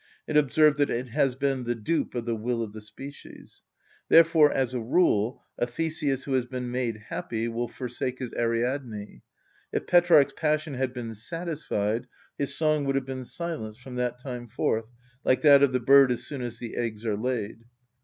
It observes that it has been the dupe of the will of the species. Therefore, as a rule, a Theseus who has been made happy will forsake his Ariadne. If Petrarch's passion had been satisfied, his song would have been silenced from that time forth, like that of the bird as soon as the eggs are laid.